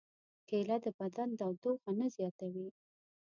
کېله د بدن تودوخه نه زیاتوي.